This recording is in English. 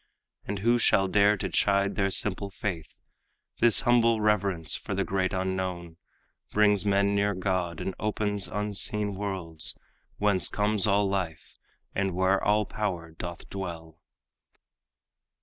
And who shall dare to chide their simple faith? This humble reverence for the great unknown Brings men near God, and opens unseen worlds, Whence comes all life, and where all power doth dwell.